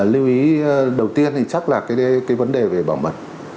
lưu ý đầu tiên thì chắc là cái vấn đề về bảo mật